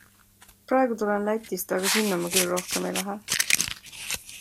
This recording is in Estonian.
Praegu tulen Lätist, aga sinna ma küll rohkem ei lähe.